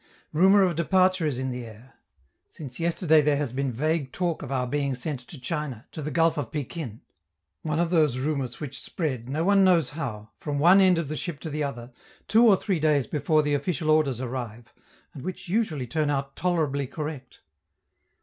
Rumor of departure is in the air. Since yesterday there has been vague talk of our being sent to China, to the Gulf of Pekin; one of those rumors which spread, no one knows how, from one end of the ship to the other, two or three days before the official orders arrive, and which usually turn out tolerably correct.